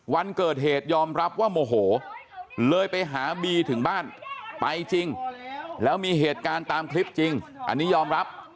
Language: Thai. วันเกิดเหตุยอมรับว่าโมโหเลยไปหาบีถึงบ้านไปจริงแล้วมีเหตุการณ์ตามคลิปจริงอันนี้ยอมรับ